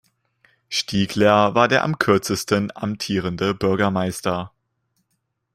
Stiegler war der am kürzesten amtierende Bürgermeister.